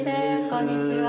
こんにちは。